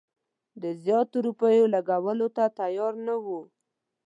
د زیاتو روپیو لګولو ته تیار نه وو.